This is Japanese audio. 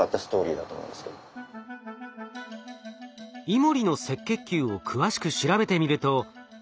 イモリの赤血球を詳しく調べてみるとＮｅｗｔｉｃ